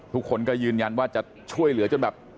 ทุกคนก็ยืนยันว่าจะช่วยเหลือจนแบบ